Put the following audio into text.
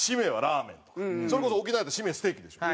それこそ沖縄やったら締めステーキでしょ。